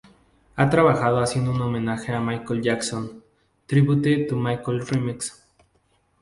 Ha trabajado haciendo un homenaje a Michael Jackson, "Tribute to Michael Remix.